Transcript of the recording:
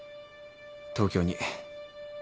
東京に。